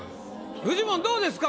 フジモンどうですか？